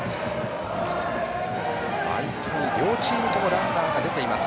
毎回、両チームともランナーが出ています。